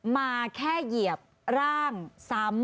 มาแค่เหยียบร่างซ้ำ